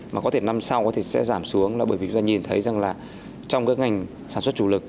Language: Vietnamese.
mà có thể năm sau có thể sẽ giảm xuống là bởi vì chúng ta nhìn thấy rằng là trong các ngành sản xuất chủ lực